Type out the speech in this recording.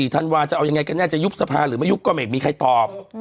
ธันวาจะเอายังไงกันแน่จะยุบสภาหรือไม่ยุบก็ไม่มีใครตอบ